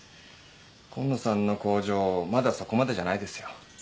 紺野さんの工場まだそこまでじゃないですよ。